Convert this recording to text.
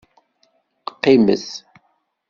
Qqimet.